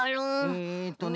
えっとね